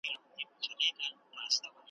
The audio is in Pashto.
د جنون غرغړې مړاوي زولانه هغسي نه ده ,